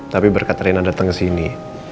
tapi berkat rena datang kesini